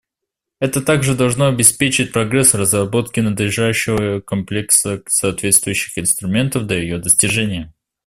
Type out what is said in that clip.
Это также должно обеспечить прогресс в разработке надлежащего комплекса соответствующих инструментов для ее достижения.